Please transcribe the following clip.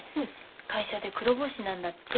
会社で黒星なんだって。